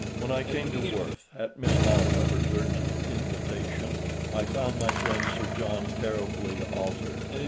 When I came to Worth at Miss Maltravers's urgent invitation, I found my friend Sir John terribly altered.